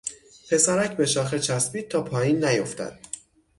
پسرک به شاخه چسبید تا پایین نیافتد.